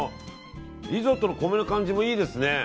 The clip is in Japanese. リゾットの米の感じもいいですね。